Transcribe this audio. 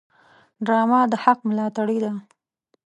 ډرامه د حق ملاتړې ده